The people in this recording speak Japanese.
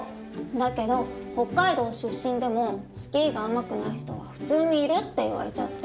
だけど北海道出身でもスキーがうまくない人は普通にいるって言われちゃって。